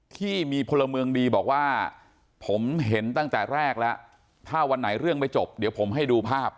คุณทวีบอกว่าผมเห็นตั้งแต่แรกแล้วถ้าวันไหนเรื่องไปจบเดี๋ยวผมให้ดูภาพ